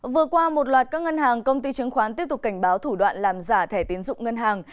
vừa qua một loạt các ngân hàng công ty chứng khoán tiếp tục cảnh báo thủ đoạn làm giả thẻ tiến dụng ngân hàng